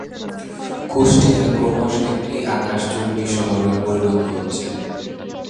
কুষ্টিয়া ক্রমশ একটি আকাশচুম্বী শহরে পরিণত হচ্ছে।